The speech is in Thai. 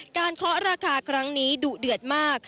เคาะราคาครั้งนี้ดุเดือดมาก